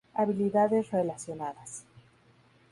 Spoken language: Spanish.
Habilidades relacionadas.